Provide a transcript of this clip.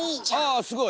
あすごい！